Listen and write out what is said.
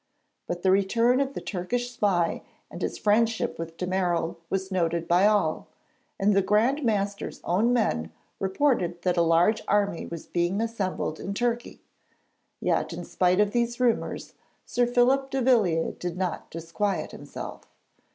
But the return of the Turkish spy and his friendship with de Merall was noted by all, and the Grand Master's own men reported that a large army was being assembled in Turkey. Yet, in spite of these rumours, Sir Philip de Villiers did not disquiet himself.